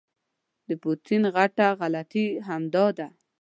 د پوټین غټه غلطي همدا ده.